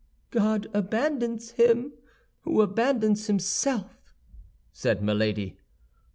"God abandons him who abandons himself," said Milady.